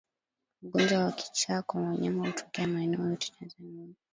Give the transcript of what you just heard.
Ugonjwa wa kichaa kwa wanyama hutokea maeneo yote Tanzania